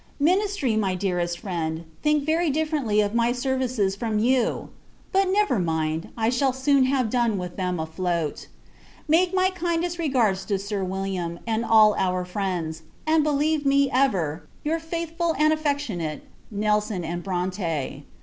Ministry, my dearest friend, think very differently of my services from you! But, never mind; I shall soon have done with them afloat. Make my kindest regards to Sir William, and all our friends; and believe me, ever, your faithful and affectionate NELSON & BRONTE.